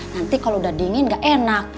nanti kalau udah dingin gak enak